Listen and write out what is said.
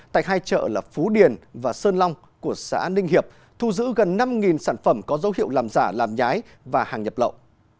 tại hai chợ là phú điền và sơn long của xã ninh hiệp thu giữ gần năm sản phẩm có dấu hiệu làm giả làm nhái và hàng nhập lậu